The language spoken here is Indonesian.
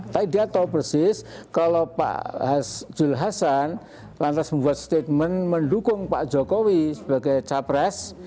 tapi dia tahu persis kalau pak jul hasan lantas membuat statement mendukung pak jokowi sebagai capres